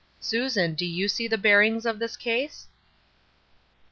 Susan, do you see the bearings of this case